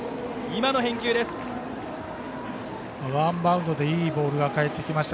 今の返球です。